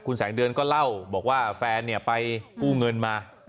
แสงเดือนก็เล่าบอกว่าแฟนไปกู้เงินมา